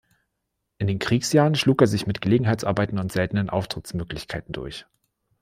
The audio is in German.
In den Kriegsjahren schlug er sich mit Gelegenheitsarbeiten und seltenen Auftrittsmöglichkeiten durch.